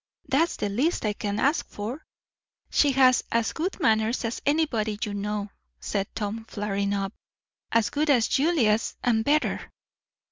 That's the least I can ask for." "She has as good manners as anybody you know!" said Tom flaring up. "As good as Julia's, and better."